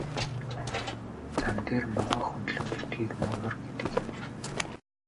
Зам дээр могой хөндлөн хэвтэхийг муу ёр гэдэг юм.